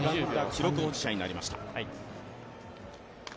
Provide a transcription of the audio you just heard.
記録保持者になりました。